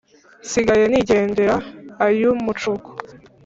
nsigaye nigendera ay’umucuko,